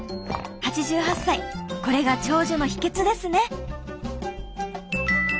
８８歳これが長寿の秘けつですね。